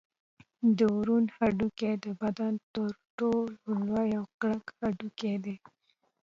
د ورون هډوکی د بدن تر ټولو لوی او کلک هډوکی دی